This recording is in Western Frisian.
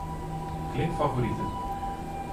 Klik Favoriten.